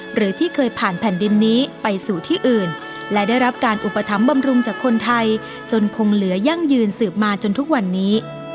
หรือที่เคยผ่านแผ่นดินนี้ไปสู่ที่อื่นและได้รับการอุปถัมภำรุงจากคนไทยจนคงเหลือยั่งยืนสืบมาจนทุกวันนี้